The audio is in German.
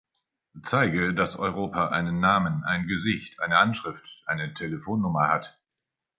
Zeige, dass Europa einen Namen, ein Gesicht, eine Anschrift, eine Telefonnummer hat.